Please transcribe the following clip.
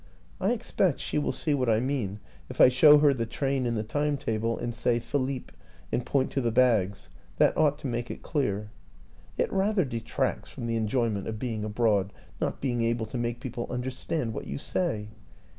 I expect she will see what I mean if I show her the train in the time table and say ' Philippe/ and point to the bags. That ought to make it clear. It rather detracts from the enjoyment of being abroad not being able to make people under stand what you say.